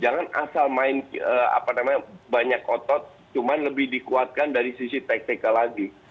jangan asal main banyak otot cuma lebih dikuatkan dari sisi taktikal lagi